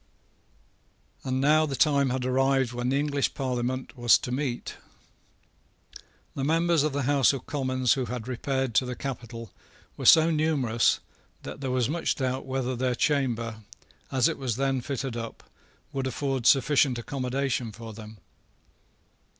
And now the time had arrived when the English Parliament was to meet. The members of the House of Commons who had repaired to the capital were so numerous that there was much doubt whether their chamber, as it was then fitted up, would afford sufficient accommodation for them.